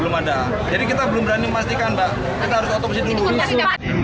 belum ada jadi kita belum berani memastikan mbak kita harus otopsi dulu